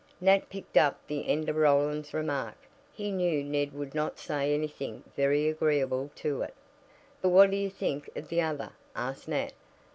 Nat picked up the end of Roland's remark. He knew Ned would not say anything very agreeable to it. "But what do you think of the other?" asked Nat.